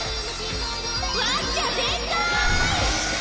ワッチャ全開！